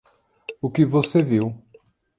O que você viu